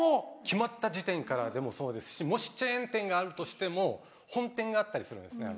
決まった時点からでもそうですしもしチェーン店があるとしても本店があったりするんですね。